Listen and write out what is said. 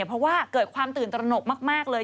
เพราะว่าเกิดความตื่นตระหนกมากเลย